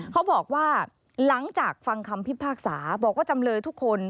เขาบอกว่าหลังจากฟังคำพิพากษาบอกว่าจำเลยทุกคน